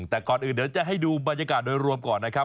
แต่ก่อนอื่นเดี๋ยวจะให้ดูบรรยากาศโดยรวมก่อนนะครับ